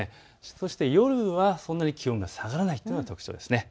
そして夜はそんなに気温が下がらないというのが特徴です。